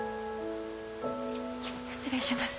失礼します。